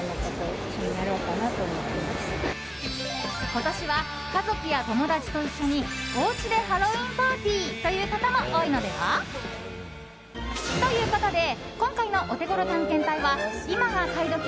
今年は家族や友達と一緒におうちでハロウィーンパーティーという方も多いのでは？ということで今回のオテゴロ探検隊は今が買い時！